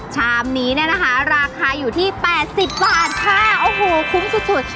ชามนี้เนี่ยนะคะราคาอยู่ที่๘๐บาทค่ะโอ้โหคุ้มสุดสุด